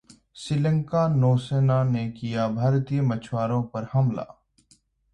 श्रीलंकाई नौसेना ने किया भारतीय मछुआरों पर हमला